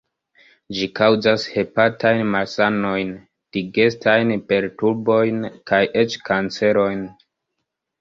Ĝi kaŭzas hepatajn malsanojn, digestajn perturbojn kaj eĉ kanceron.